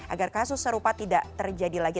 agar kasus serupa tidak terjadi lagi